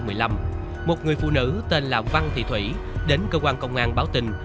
tối muộn ngày chín tháng một năm hai nghìn một mươi năm một người phụ nữ tên là văn thị thủy đến cơ quan công an báo tình